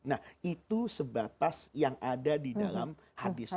nah itu sebatas yang ada di dalam hadis